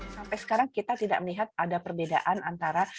sampai sekarang kita tidak melihat ada perbedaan antara